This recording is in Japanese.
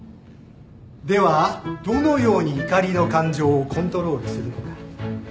ではどのように怒りの感情をコントロールするのか